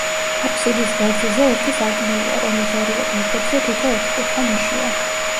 აფსიდის ღერძზე ერთი სარკმელია, რომლის ორივე გვერდებზე თითო ოთხკუთხა ნიშია.